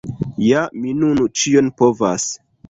Ja mi nun ĉion povas.